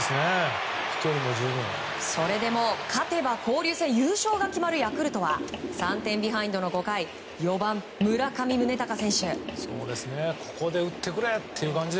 それでも、勝てば交流戦優勝が決まるヤクルトは３点ビハインドの５回４番、村上宗隆選手。